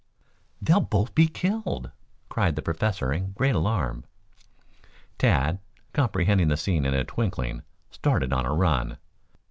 "They'll both be killed!" cried the Professor in great alarm. Tad, comprehending the scene in a twinkling, started on a run.